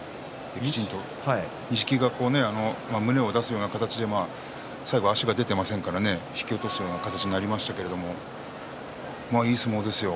錦木が胸を出すような形で最後、足が出ていませんからね引き落としの勝ちになりましたけれどもいい相撲ですよ。